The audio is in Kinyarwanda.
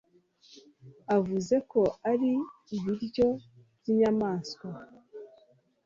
Uvuze ko ari ibiryo byinyamaswa